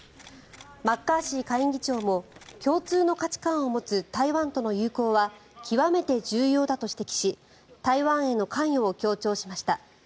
マッカーシー下院議長も共通の価値観を持つ台湾との友好は極めて重要だと指摘し台湾への関与を強調しました。